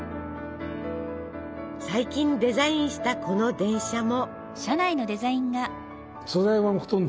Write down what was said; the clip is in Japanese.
最近デザインしたこの電車も。